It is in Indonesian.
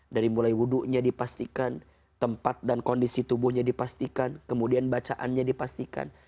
dari mulai wudhunya dipastikan tempat dan kondisi tubuhnya dipastikan kemudian bacaannya dipastikan